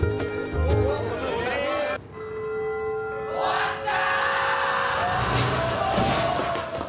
・終わった！